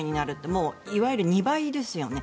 もういわゆる２倍ですよね。